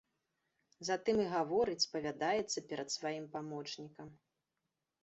Затым і гаворыць, спавядаецца перад сваім памочнікам.